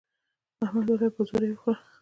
احمد وويل: په زور یې وخوره.